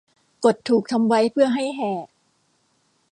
กฎถูกทำไว้เพื่อให้แหก